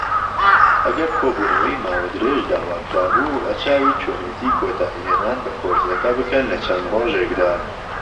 ئەگەر کۆبوونەوەی ماوە درێژ داواکرابوو، ڕەچاوی چۆنێتی کۆتایهێنان بە کۆرسەکە بکەن لەچەند ڕۆژێکدا.